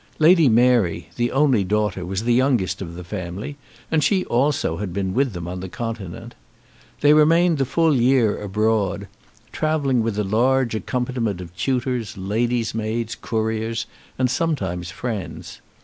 Lady Mary, the only daughter, was the youngest of the family, and she also had been with them on the Continent. They remained the full year abroad, travelling with a large accompaniment of tutors, lady's maids, couriers, and sometimes friends.